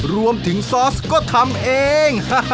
รวมถึงซอสก็ทำเอง